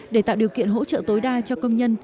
để tạo điều kiện hỗ trợ tối đa cho công nhân